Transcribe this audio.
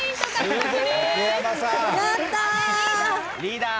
リーダー。